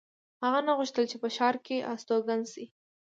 هغه نه غوښتل چې په ښار کې استوګن شي